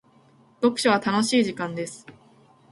読書は楽しい時間です。